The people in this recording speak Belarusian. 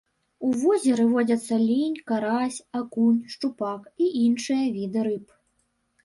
У возеры водзяцца лінь, карась, акунь, шчупак і іншыя віды рыб.